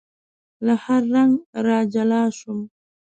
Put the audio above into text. له هر رنګ را جلا شوم